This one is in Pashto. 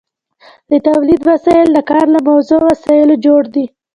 د تولید وسایل د کار له موضوع او وسایلو جوړ دي.